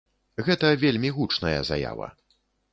Гэта вельмі гучная заява.